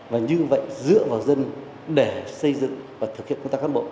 và như vậy dựa vào dân để xây dựng và thực hiện công tác cán bộ